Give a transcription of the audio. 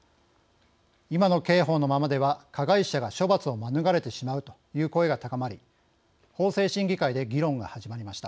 今の刑法のままでは加害者が処罰を免れてしまうという声が高まり法制審議会で議論が始まりました。